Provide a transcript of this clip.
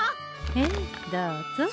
ええどうぞ。